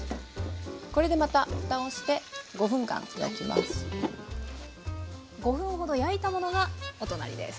これでまたふたをして５分ほど焼いたものがお隣です。